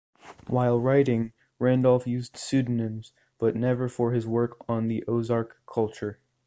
While writing, Randolph used pseudonyms, but never for his work on the Ozark culture.